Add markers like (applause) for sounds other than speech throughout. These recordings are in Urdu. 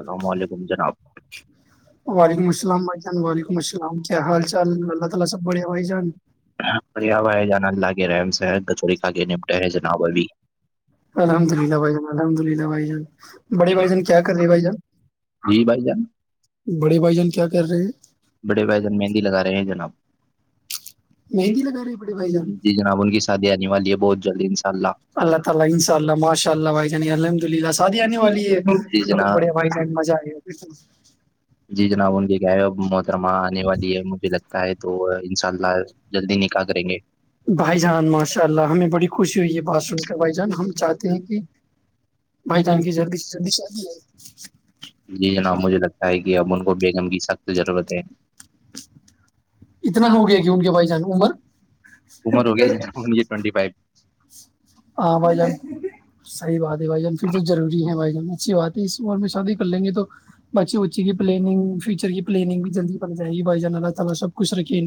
اللام علیکم جناب وعلیکم السلام بھائی جان وعلیکم السلام کیا حال چال اللہ تعالیٰ سب بڑے بھائی جان بھائے جان اللہ گرم صاحب الحمد اللہ بھائی جان الحمد اللہ بھائی جان ب بڑے بھائی جان کیا کر رہے بھ بھائی جان جی بھائی جان بڑے بھائی جان کیا کر رہے ہیں بڑے بھائی جان مہندی لگا رہے ہے جانب مہندی لگا رہے بڑے بھائی جان جی جناب ان کی شادی آنے والی ہے بہت جلدی انشاء اللہ تعالیٰ ان شاء اللہ ماشاء اللہ بھائی جان الحمد للہ شادی آنے والی ہے پڑے بھائی جان مزہ آئےگا فر تو یہ گ (unintelligible) تیرا ماں آنے والی ہے مجھے لگتا ہے تو انشاء اللہ بھائی جان ماشاء اللہ ہمیں بڑی خوشی ہوئی ہے بات سن کر بھائی جان ہم چاہتے ہیں کہ بھائی جان کی جلدی جلدی شادی ہو جائے (unintelligible) جی جناب مجھے لگتا ہے کہ اب ان کو بیگم کی سخت ضرورت ہے اتنا ہو گیا کہ ان کے بھائی جان عمر عمر ہو گیا یہ جانب ٹوینٹیفیو ہاں بائی جن صحی بات (unintelligible) بھائی جان پھر تو ضری ہے بھائی جان اچھی بات ہے اس عمر میں شادی کر لیں گے تو بچے بچی کی پلاننگ فیوچر کی پلاننگ بھی جلدیڑ جائے گی ب اللہ تعالی سب کچھ رکھے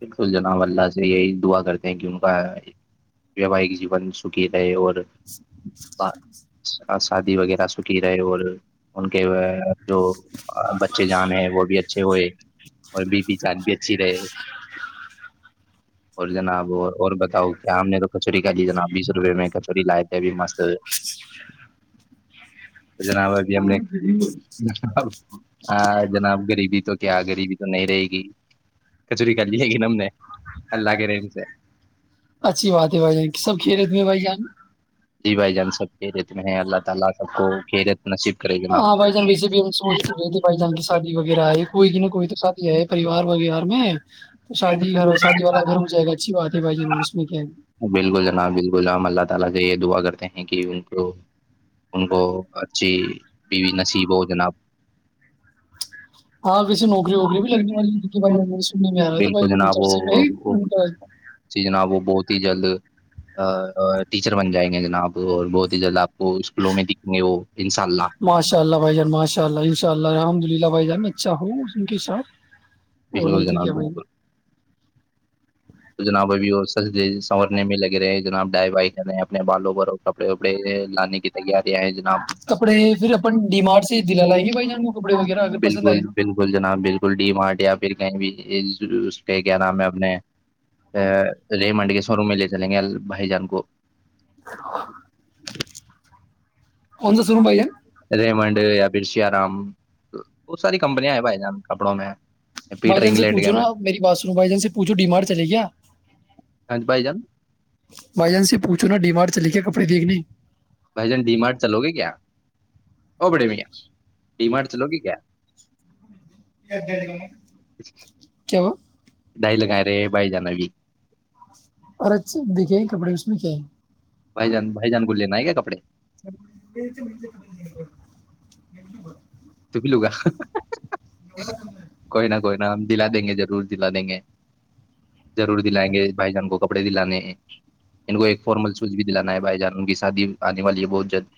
بالکل جنا اللہ سے یہی دعا کرتے ہیں کہ ان کا ویواہک جیون سکھی رہے اور (inaudible) شادی وغیرہ سکھی رہے اور ان کے جو بچے جانے ہے وہ بھی اچھے ہوئے اور بیی پی جان بھی اچھی رہے اور جناب وہ اور بتاؤ کیا ہم نے تو کچوری کا لی جناب بیس روپے میں کچوری لائے تھے اب مست تو (unintelligible) جناب ابھی ہم نے ہاں جناب غریبی تو کیا غریبی تو نہیں رہے گی جٹھیک ہے (unintelligible) گم نے اللہ کے رہیم سے اچھی بات ہے بھائی جان سب خیریت میں بھائی جان جی بھائی جان سب کہہےمیں اللہ تعالی سب کو خیریت نصیب کرے جناب ہاں بھائی جان ویسے بھی ہم سوچتے رہے کہ بھائی جان کی شادی وغیرہ ہےئے کوئی کی نہ کوئی تو شادی ہےئے پریوار وغار میں تو شادی گھر شادی والا گھر ہو جائے گا اچھی بات ہے بھائی جان اور اس میں کیا ہے بالکل جناب بالکل جم اللہ یہ دعا کرتے ہیں کہ ان کو اچھی پی وی نصیب ہو جناب ہاں ویسے نوکری ووکری بھی لگنے والی بھ ج بالک ج نہ وہ چیز نہ وہ بہت ہی جہ ج ٹیچر بن جائیں گے جناب اور بہت ہی جلد آپ کو اسکولوں میں دکھیں گے وہ ان شاء اللہ ماشاء اللہ بھائی جان ماشاء اللہ انشاء اللہ الحمد للہ بھائی جان اچھا ہ ان کے ساتھ اور نہیں تو کیا بھائی (unintelligible) تو جناب ابھی وہ س سنورنے میں لگے رہے ہیں جناب ڈائی وائ رہے ہیں اپنے بالوں ب کپڑے وپڑے لانے کی ت گی جناب جان، کپڑے پھر اپن ڈی مارٹ سے دلا لائیں گے بھائی جان کو کپڑے وغیرہ اگر پسند بالکل آئے تو بالکل جناب بالکل ڈی مارٹ یا پھر کہ بھی اس کے کیا نام ہے اپنے ری منڈی کے شو روم میں لے چلیں گے بھائی جان کو کون سا سنو بھائی جان (unintelligible) کیا رام بائی پیٹر جان سے انگلینڈ پوچھو نا میری بات سنو بھائی جان سے پوچھو ڈیماری پ بائی جان بھائی جان سے پوچھو نا ڈیمار چلی کے کپڑے دیکھنے بھائی جان ڈی مارٹ چلو گے کیا اور بڑے بھیا ڈی مارٹ چلو گے کیا کیا ہوا ڈائی لگیا ر بائی جانگی اور اچھا دیکھے ہیں کپڑے اس میں کیا (inaudible) (inaudible) بھائی جان بھائی جان کو لینا ہے کیا کپڑے (unintelligible) تو لگا کوئی نا کوئی نا ہم دلا دیں گے ضرور دلا دیں گے ضور دلائ گے بھائی جان کو کپڑے دلانے نہیں ان کو ایک فارمل سوز بھی دلانا ہے بھائی جانا ان کی شادی آنے والی ہے بہت جلد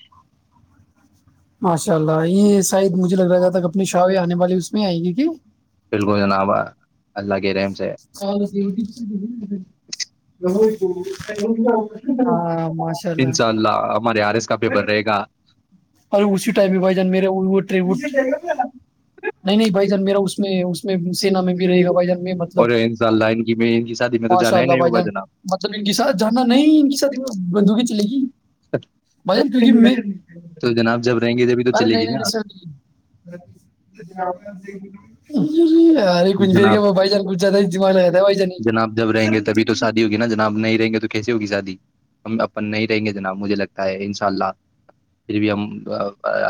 ماشاء ال یہ س مجھے لگ رہا جاتا کہ اپنی شاہی آنے والی اس میں آئیں گی کہ بالکل جناب اللہ کہ رہےم ہاں ماشاء انشاء اللہ ہمارے آر ایس کا پیپر رہے گا ار اسی ٹائم میں بھائی جان میرے نہیں نہیں بھائی جان میرا اس میں اس میں سینا میں بھی رہے گا بھائی جان میں مطلب اور ان شاء اللہ ان کی میں ان کی شادی میں تو ماشاء جانا ہی اللہ نہیں بھائی ہوگا جان جناب مطلب ان کے ساتھ جانا نہیں ان ساتھ بندوقی چلے گی بھائی جان کیونکہ میں تو جناب جب رہیں گے جبھی تو چلے گی نا ارے نہیں نہیں ن (inaudible) جناب لگاتا ہے بھائی جان جناب جب رہیں گے تبھی تو شادیوں نا جناب نہیں رہیں گے تو کیسی ہوگی شادی ہم اپن نہیں رہیں گے جناب مجھے لگتا ہے ان شاء اللہ پھر بھی ہم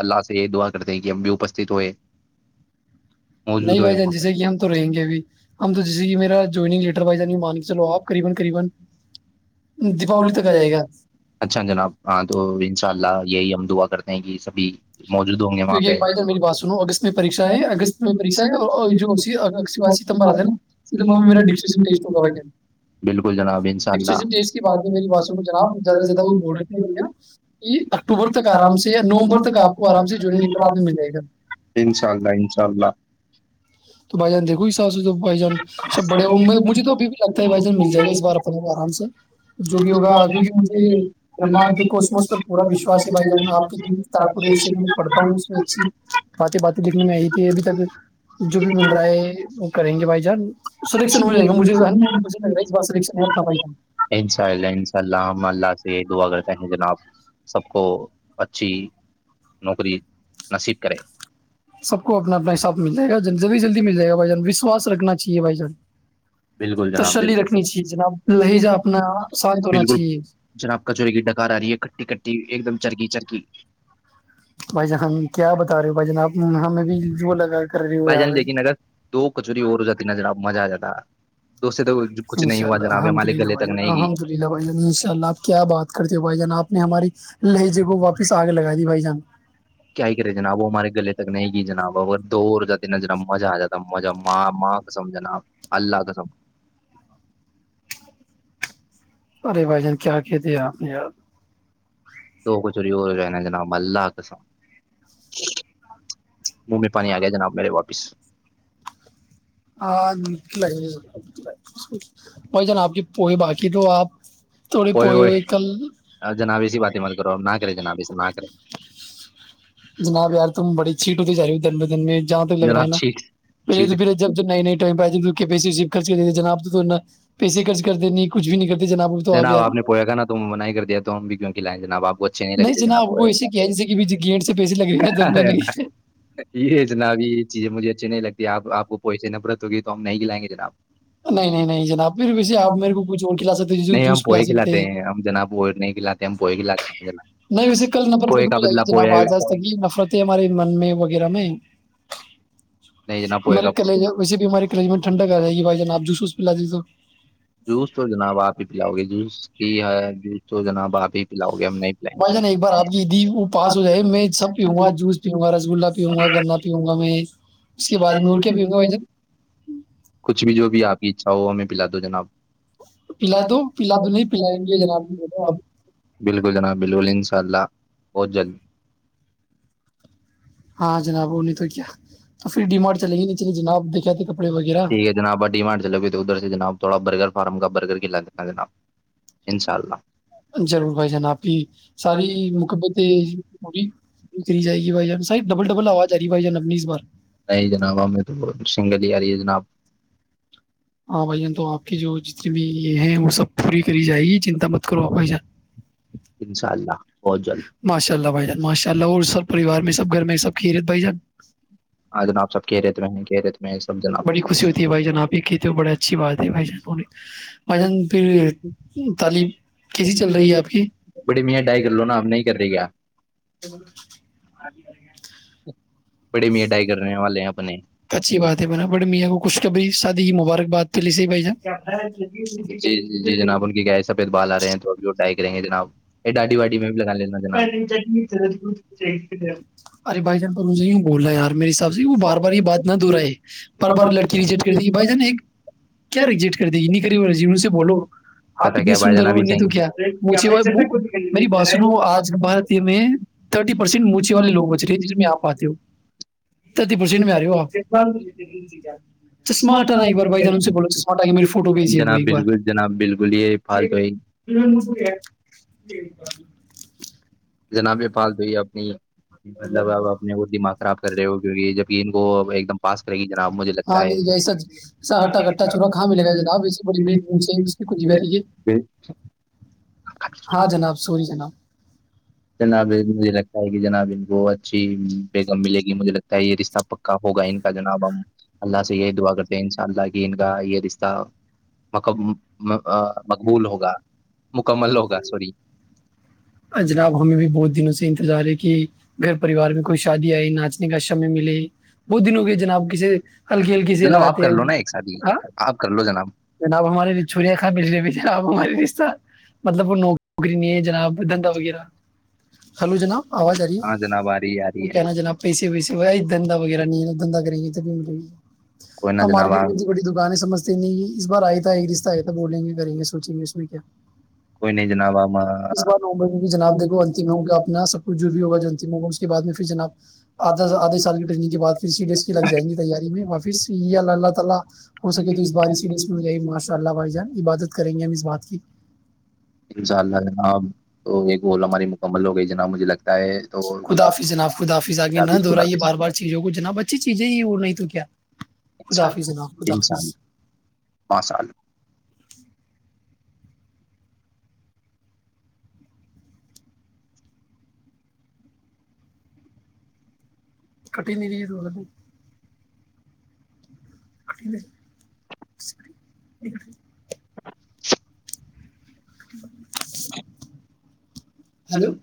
اللہ سے یہ دعا کرتے ہیں کہ ہم بھی اپستت ہوئے موجود نہیں ہوئے بھائی جان وہاں پر جیسے کہ ہم تو رہیں گے ابھی ہم تو جیے میرا جوگ لیٹر وائز مان چلو دیپاولی تک آ جائے گا اچھا جناب ہاں تو ان شاء اللہ یہی ا دعا کرتے ہیں کہ سبھی موجود ہوں گے وہاں کیونکہ ایک پہ بھائی جان میری بات سنو اگست میں پریشا ہے اگست میں پریشا ہے اور اور جو اسی اگ- اگست کے بعد ستمبر آتا ہے نا ستمبر میں میرا ڈکشیشن ٹیسٹ ہوگا بھائی جان بالکل جناب ان شاء اللہ ات ہے میری بوں میں جناب زیادہ سے زیادہ وہ بول رہے تھ ہیں بھ کہ اکتوبر تک آرام سے یا نومبر تک آپ کو آرام سے جوائنگ لیٹر آپ میں مل جائے گا انشاء اللہ انشاء اللہ (inaudible) تو بھائی جان دیکھو حساب سے تو بھائی جان سب بڑے ہوئے مجھے تو ابھی بھی لگتا ہے بھائی جان مل جائے گا اس بار اپنے آرام سے جو بھی ہوگا کی کہ مجھے پورا وشاس ہے بھائی جان آپ کی کتاب پی پڑھتا ہوں اس میں اچھی باتیں باتیں لکھنے میں آئی تھی ابھی تک جو بھی مل رہا ہے کریں گے بھائی جان انشاء سلیکشن ہو جائے گا مجھے ہنڈریڈ پرسینٹ لگ رہا ہے اس بار سلیکشن ہے اپنا بھائی جان اللہ ان شاء اللہ ہم اللہ سے دعا کر جناب سب کو اچھی نوکری نصیب کرے (unintelligible) سب کو اپناس مل جائےا جلدی جلدی مل جائے گا بائی جان وشواس رکھنا چاہیے بھائی جان بالکل جناب تسلی رکھنی بالکل چاہیے جناب لہجہ اپنا شانت ہونا بالکل چاہیے جناب کچوری کی ڈکار آ رہی ہے کٹی کٹی ایک دم چرکی چرکی (unintelligible) بھائی جان ہم کیا بتا رہے ہو بھائی جان آپ ہم ا بھی ججی لگا ہے (unintelligible) بھائی جان لیکن اگر دو کچوری اور ہو جاتی نر آب مزہ آ جاتا ہ (inaudible) اناء اللہ الحمد للہ گلے بھائی تک جان نہیں گئی الحمد للہ بھائی جان انشاء اللہ آپ کیا بات کرتے ہو بھائی جان آپ نے ہماری ل ج (inaudible) کو واپس آگ لگا دی بھائی جان کیا ہی کرے جناب وہ ہمارے گلے تک نہیں گ جناب اگر دور جاتے نظر آ مزہ آ ج ہے (unintelligible) س مجھے ماں ماں کو سمجھناا آپ اللہ گزم ارے بھائی جان کیا کہتے ہیں آپ نے یاار تو کچھی جائے نا جناب اللہ کے سام من میں پانی آ گیا جناب میرے واپس ہاں ن لگ وہائی ج ن آپ کی پوی باات کی تو آپ تھوڑے کوئی پوئے ہو ہوئے کل جنابیسیی بات ہی مت کرو ن کر رہے جنابیسی ن کر رے جناب یار تم بڑی چھیٹ ہوتی جای ہو دن ب دن میں جہاں تک لگ رہا جناب ہےا چھیٹ پہے چھیٹ پھر جب نئی نئے ٹائ پہ آئے پی خرچ کے لییے جناب تونا تو ن یار آپ نے پویا ک نا ت من ہی کر دیا تو ہم بھی کیک ل ج ب آپ کو اچھے نہیں لگتےنا جناب وہ ایسے کیا ہے جیسے کہ بھی گیٹ سے پیسے لگ رہے ہیں جب میں نے یہ اتنا اب یہ چیزیں مجھے اچھے نہیں لگتے آپ کو پیسے نفرت ہوگی تو ہم نہیں گلائیں گے جناب نہیں نہیں نہیں جناب پھر ویسے آپ میرے کو کچھ اور کھلا سکتے ہیں نہیں ہم جوس پلا پوئے سکتے کھلاتے ہیں ہم جناب پ نہیں کھلاتے م پڑھھیلاا (unintelligible) نہیں ویسے کل نفرت تو ہو جی جناب پویا آ جا سکیے نفرتیں ہمارے من میں وغیرہ میں نہیں جناب پوئے ہمارے کا کلیج ویسے بھی ہمارے کلیج میں ٹھنڈک آ جائے گی بھائی جان آپ جوو لجی تو (unintelligible) جوس تو جناب آپ ہی پلاؤ گے (unintelligible) جوس کی ہے جوس تو جنا باپی پلاؤ (unintelligible) پلائیں گے بھائی جان ایک بار آپ کییدی وہ پاس ہو جائے میں سب پیؤوں گا جوس پیوں گا رسگ گلا پیؤوںں گا گنا پیؤوں گا میں اس کے بعد میں ار کیا پیوں گا بھائی جان کچھ بھی جو بھی آپ کی اچھا ہو ہمیں پلا دو جناب پلا تو پلا تو نہیں پلائیں گے جناب (unintelligible) جنا بالول انشاء اللہ بہت جلدی ہاں جناب وہ نہیں تو کیا تو پھر ڈی مارٹ چلیں گے نہیں چلے جناب دیکھا تھے کپڑے وغیرہ ٹھیک ہے جناب آ ڈی مان چلو گے تو ادھر سے جناب تھوڑا برگر فارم کا برگر ک لنا جناب انشاء اللہ ضرور بھائی جان آپ کی ساری مقبتیں پوری پوری کری جائے گی بائی جان سائی ڈبل ڈبل آواز ج رہی بائی جان اپنی اس بار نہیں جناب ہمیں تو سنگل ہی آ رہی ہے جناب ہاں بھائی جان تو آپ کے جو جتنے بھی یہ ہیں وہ سب پوری کری جائے گی چنتا مت کرو آپ بھ جان انشاء اللہ بہت جلد ماشاء اللہ بھائی جان ماشاء اللہ اور سب پریوار میں سب گھر میں سب خیریت بھائی جان ہاں جناب سب کہ رہے تھے چ کیے (unintelligible) بڑی خوش ہوتی ہے بھائی جان آپ ہی کیتے ہو بڑے اچھی بات ہے بھائی جان فنے (unintelligible) (inaudible) تعلیم کیسی چل رہی ہے آپ کی بڑی م ڈائی کر لو نا اب نہیں کر رہی کیا (unintelligible) (inaudible) (unintelligible) ا (unintelligible) (inaudible) اچھی بات ہے با بڑی میاں کو کچھ ک بھ س مبارکباد پہلے سے ہی بھائی جان جی جی جی جنا ہے سفید بال آ رہے ہیں توبھی وہ ڈائ رہیں گے جناب یہ ڈاڈی واڈی میں بھی لگان م جی ف (unintelligible) ارے بھائی جان پر مجھے وں بول رہ ہے یار میرے حساب سے وہ بار بار یہ بات نہ دورا ہے بار بار لڑکی رجیٹ کر دی گی بھائی جان ایک کیا رجٹ کر دیں کربی سے بولو آپ پتا اتنی کیا بھائی سندر جناب ہو یہ تو کیا مچے میری بات سن آج بار چاہیے میں تھرٹی پرسینٹ مچے والے لوگ چ آپ آتے ہو ت میں آ رہے ہو آپ چشمہ آٹا نا ایک بار بھائی ہم سے ب جناب بالکل جناب بالکل یہ فال تو ہی جناب یہ پال دو ہی اپنی مطلب آپ اپنے وہ دماغ خراب کر رہے ہو کیک یہ جب (unintelligible) ہاں نہیں ایسا ہٹا کھٹا چھوڑا کہا ملےگا جناب کھ ہاں جناب سوری جناب جناب مجھے لگتا ہے کہ جناب وہ اچھی بیگم ملے گی مجھے لگتا ہے یہ رشتہ پکا ہوگا ان کا جناب ہم اللہ سے یہی دعا کرتے ہیں ان شاء اللہ کہ ان کا یہ رشتہ م مقبول ہوگا مکمل ہوگا سوری جناب ہمیں بھی بہت دنوں سے انتظار ہے کہ گھر پریوار میں کوئی شادی آئی ناچنے کا سمے ملے بہت دن ہو گئے جناب کسی ہلکی ہلکی سے جناب آپ رہتے کر لو نا ایک ساتھ ہی ہیں ہ آپ کر لو جناب جناب ہمارے چھوڑیاں کہا ملے بھی جناب ہمارے رشہ مطلب وہوک نوکری نہیں ہے جناب دھندا وغیرہ ہلو جناب آواز آ رہی ہاں جناب ہے آ رہی ہے آ وہ رہی ہے کہنا جناب پیسے ویسے دھندا وغیرہ نہیں ہے کوئی (unintelligible) نہ ہاں جناب مارکیٹ میں آپ اتنی بڑی دکانیں سمجتے نہیں اس بار آیا تھا ایک رشہ آیا تھا بولیں گے کریں گے سوچیں گے (inaudible) کوئی نہیں جناب ہم اس ان بار ممبئی میں جناب دیکھو انتم ہوگا اپنا سب کچھ جو بھی ہوا جو انتم ہوگا اس کے بعد میں پھر جناب آدھا آدھے سال کی ٹریننگ کے بعدھر سی ڈیز کی لگ جائیں گی تیاری میں و پھر ال اللہ تعالی ہو سکے تو اس بار اسی ڈی میں ماشاء اللہ بھائی جان عبادت کریں گے ہم بات کی (unintelligible) انشاء اللہ جناب وہ ہماری مکمل ہو گئی جناب مجھے لگتا ہے تو خدا خدافی جناب خدافظ آگے نہ حافظ خدا دہرائیے حافظ خدا حافظ بار بار چیزوں کو جناب اچھی چیزیں یہ وہ نہیں تو کیا انشاء خداف اللہ جناب انشاء خدافظ اللہ ماشاء اللہ کٹ نری دوولد (inaudible) (inaudible) ب (unintelligible) ہلو (unintelligible)